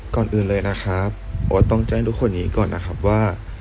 ก่อนอื่นเลยนะครับโอ๊ตต้องแจ้งทุกคนนี้ก่อนนะครับว่า